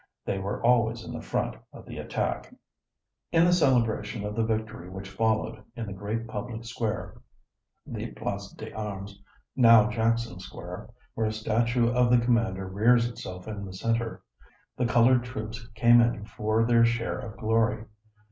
They were always in the front of the attack. In the celebration of the victory which followed in the great public square, the Place d'Armes, now Jackson Square, where a statue of the commander rears itself in the center, the colored troops came in for their share of glory.